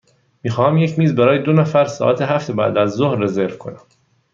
می خواهم یک میز برای دو نفر ساعت هفت بعدازظهر رزرو کنم.